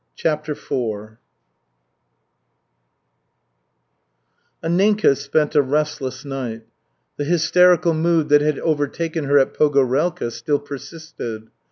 CHAPTER IV Anninka spent a restless night. The hysterical mood that had overtaken her at Pogorelka still persisted.